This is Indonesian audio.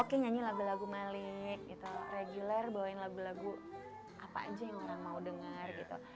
oke nyanyi lagu lagu malik gitu reguler bawain lagu lagu apa aja yang orang mau dengar gitu